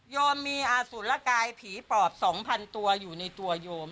โยมมีอาสุรกายผีปอบ๒๐๐ตัวอยู่ในตัวโยม